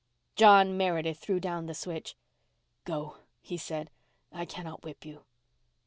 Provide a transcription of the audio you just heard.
John Meredith threw down the switch. "Go," he said, "I cannot whip you."